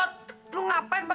aduh tau kan